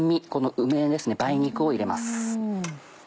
梅肉を入れます。